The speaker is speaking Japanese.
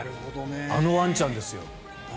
あのワンちゃんですよ。